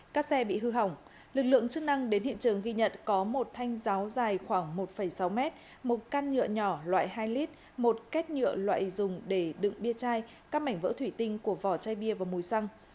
các xe bị hư hỏng lực lượng chức năng đến hiện trường ghi nhận có một thanh ráo dài khoảng một sáu mét một can nhựa nhỏ loại hai lít một két nhựa loại dùng để đựng bia chai các mảnh vỡ thủy tinh của vỏ chai bia và mùi xăng